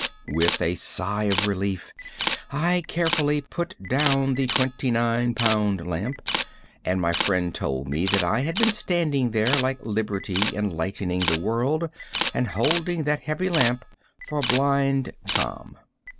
With a sigh of relief I carefully put down the twenty nine pound lamp, and my friend told me that I had been standing there like liberty enlightening the world, and holding that heavy lamp for Blind Tom.